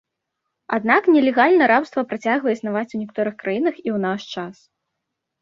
Аднак, нелегальна рабства працягвае існаваць ў некаторых краінах і ў наш час.